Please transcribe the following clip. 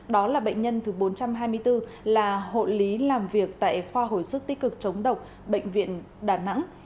đó là bệnh nhân thứ bốn trăm hai mươi bốn là hộ lý làm việc tại khoa hồi sức tích cực chống độc bệnh viện đà nẵng